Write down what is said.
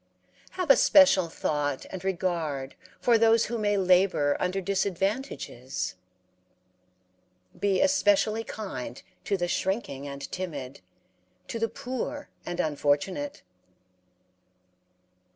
Have a special thought and regard for those who may labor under disadvantages? be especially kind to the shrinking and timid, to the poor and unfortunate.